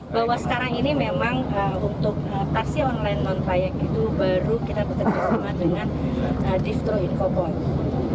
bahwa sekarang ini memang untuk taksi online non payek itu baru kita bekerjasama dengan distro incopor